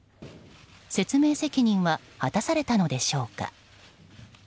説明責任は果たされたのでしょうか。